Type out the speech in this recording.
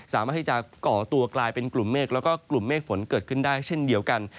สามารถที่จะก่อตัวกลายเป็นกลุ่มเมฆแล้วก็กลุ่มเมฆฝนเกิดขึ้นได้เช่นเดียวกัน